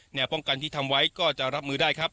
แหน่งป้องกันที่ทำไว้ก็จะรับมือได้